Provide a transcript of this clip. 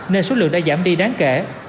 nên số lượng đã giảm đi đáng kể